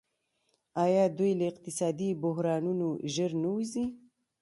آیا دوی له اقتصادي بحرانونو ژر نه وځي؟